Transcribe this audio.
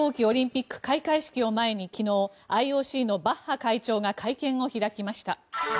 オリンピック開会式を前に昨日、ＩＯＣのバッハ会長が会見を開きました。